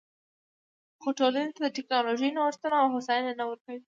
خو ټولنې ته ټکنالوژیکي نوښتونه او هوساینه نه ورکوي